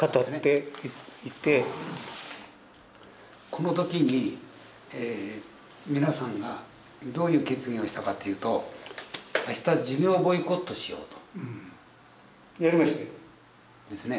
この時に皆さんがどういう決議をしたかというとあした授業ボイコットしようと。ですね。